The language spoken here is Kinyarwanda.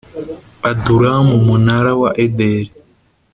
Adulamu Umunara wa Ederi